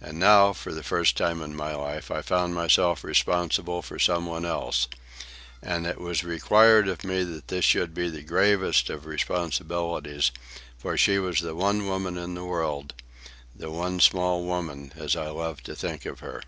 And now, for the first time in my life, I found myself responsible for some one else. And it was required of me that this should be the gravest of responsibilities, for she was the one woman in the world—the one small woman, as I loved to think of her.